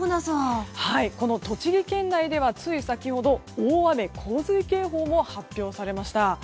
栃木県内では、つい先ほど大雨・洪水警報も発表されました。